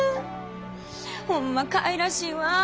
ホンマかいらしいわ。